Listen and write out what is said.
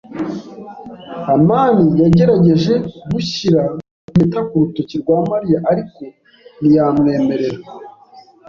amani yagerageje gushyira impeta ku rutoki rwa Mariya, ariko ntiyamwemerera.